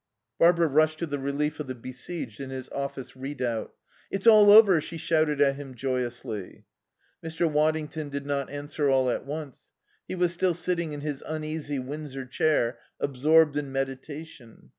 Barbara rushed to the relief of the besieged in his office redoubt. "It's all over!" she shouted at him joyously. Mr. Waddington did not answer all at once. He was still sitting in his uneasy Windsor chair, absorbed in meditation.